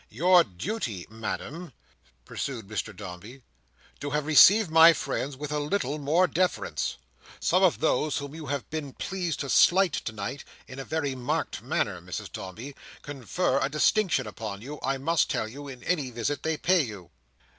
"Your duty, Madam," pursued Mr Dombey, "to have received my friends with a little more deference. Some of those whom you have been pleased to slight tonight in a very marked manner, Mrs Dombey, confer a distinction upon you, I must tell you, in any visit they pay you."